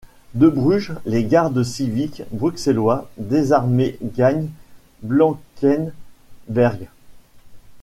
De Bruges, les gardes civiques bruxellois désarmés gagnent Blankenberghe.